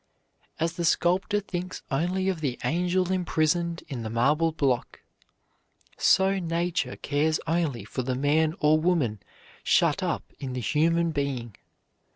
As the sculptor thinks only of the angel imprisoned in the marble block, so Nature cares only for the man or woman shut up in the human being.